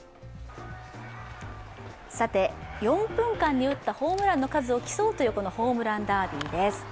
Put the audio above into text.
さて、４分間に打ったホームランの数を競うというホームランダービーです。